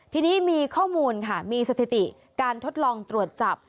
ทีนี้มีข้อมูลค่ะมีสถิติการทดลองตรวจจับ